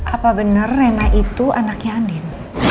apa bener rena itu anaknya andin